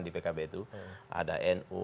di pkb itu ada nu